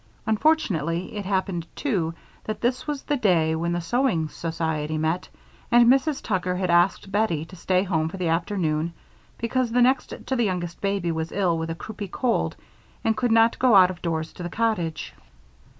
Unfortunately it happened, too, that this was the day when the sewing society met, and Mrs. Tucker had asked Bettie to stay home for the afternoon because the next to the youngest baby was ill with a croupy cold and could not go out of doors to the cottage.